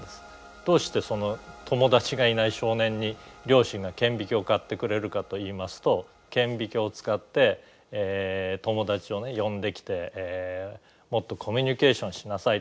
どうして友達がいない少年に両親が顕微鏡を買ってくれるかといいますと顕微鏡を使って友達を呼んできてもっとコミュニケーションしなさいと。